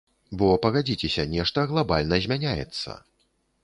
Бо, пагадзіцеся, нешта глабальна змяняецца.